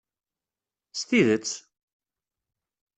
S tidet!